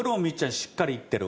しっかり行ってる。